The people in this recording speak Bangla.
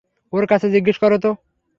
ওর কাছে জিজ্ঞেস করো তো।